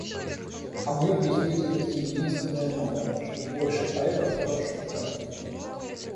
А мне в действительности единственное надо — чтоб больше поэтов хороших и разных.